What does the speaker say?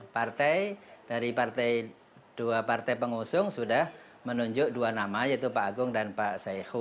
partai dari dua partai pengusung sudah menunjuk dua nama yaitu pak agung dan pak saihu